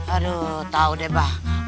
aduh tau deh mbak